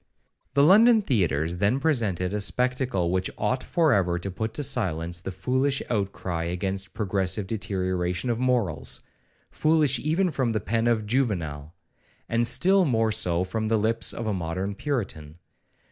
The London theatres then presented a spectacle which ought for ever to put to silence the foolish outcry against progressive deterioration of morals,—foolish even from the pen of Juvenal, and still more so from the lips of a modern Puritan.